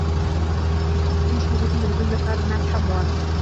هغوی د خوږ خوبونو د لیدلو لپاره ناست هم وو.